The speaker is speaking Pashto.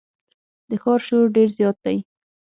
د ښار شور ډېر زیات دی.